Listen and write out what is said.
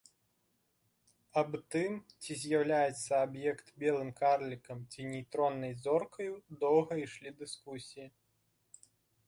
Аб тым, ці з'яўляецца аб'ект белым карлікам ці нейтроннай зоркаю, доўга ішлі дыскусіі.